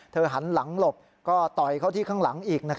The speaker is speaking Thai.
หันหลังหลบก็ต่อยเขาที่ข้างหลังอีก